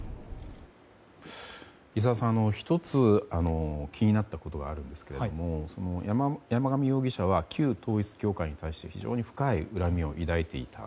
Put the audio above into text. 井澤さん、１つ気になったことがあるんですが山上容疑者は旧統一教会に対して非常に深い恨みを抱いていた。